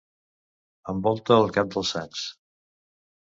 Envolta el cap dels sants.